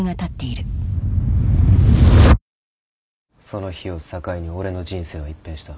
その日を境に俺の人生は一変した。